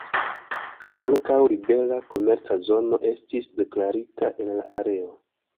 Ankaŭ libera komerca zono estis deklarita en la areo.